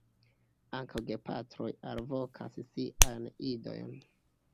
Ankaŭ gepatroj alvokas siajn idojn.